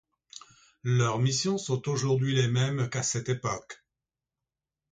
Leurs missions sont aujourd’hui les mêmes qu’à cette époque.